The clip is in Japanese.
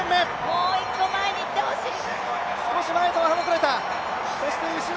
もう一歩前に行ってほしい！